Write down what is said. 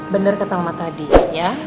benar kata mama tadi ya